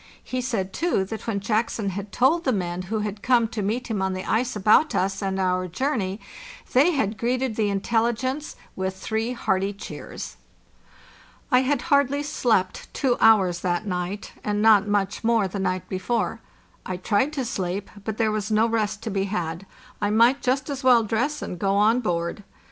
He said, too, that when Jackson had told the men who had come to meet him on the ice about us and our journey, they had greeted the intelli gence with three hearty cheers. I had hardly slept two hours that night, and not much more the night before. I tried to sleep, but there was no rest to be had; I might just as well dress and go on board.